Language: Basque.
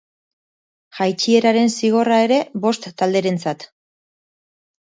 Jaitsieraren zigorra ere, bost talderentzat.